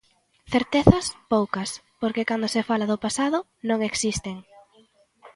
Certezas, poucas, porque cando se fala do pasado, non existen.